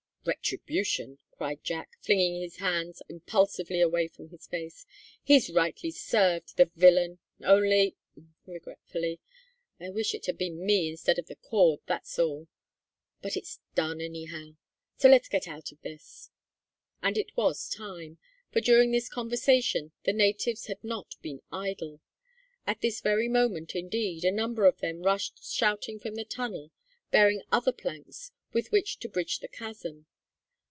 "Retribution!" cried Jack, flinging his hands impulsively away from his face. "He's rightly served, the villain. Only" regretfully "I wish it had been me instead of the cord, that's all. But it's done, anyhow, so let's get out of this." And it was time; for during this conversation the natives had not been idle. At this very moment, indeed, a number of them rushed shouting from the tunnel, bearing other planks with which to bridge the chasm.